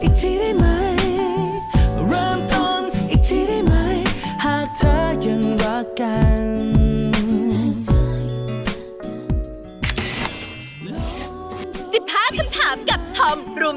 ๑๕คำถามกับธรรมรูม๓๙